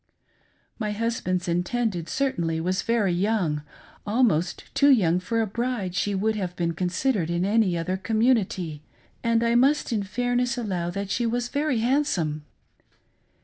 My husband's intended certainly was very young — almost too young for a bride she would have been considered in any other community — and I must in fairness allow that she was very handsome.